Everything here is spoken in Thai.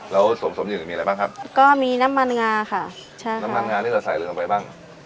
แล้วส่วนสมอื่นมีอะไรบ้างครับก็มีน้ำมันงาค่ะใช่น้ำมันงานี่เราใส่ลงไปบ้าง